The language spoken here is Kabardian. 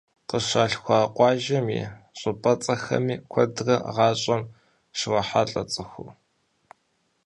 Къыщалъхуа къуажэм и щӀыпӀэцӀэхэми куэдрэ гъащӀэм щрохьэлӀэ цӀыхур.